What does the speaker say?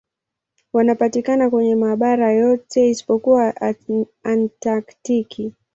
Wanapatikana kwenye mabara yote isipokuwa Antaktiki.